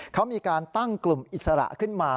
เขามีการตั้งกลุ่มอิสระขึ้นมา